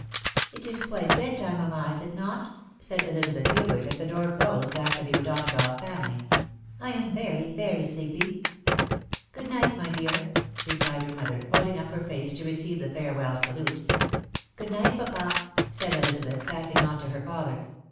It is quite bed time, mamma, is it not ?" said Elizabeth Hubert as the door closed after the O'Donagough family. " I am very, very sleepy !"" Good night, my dear," replied her mother, holding up her face to receive the farewell salute. " Good night, papa," said Elizabeth, passing on to her father.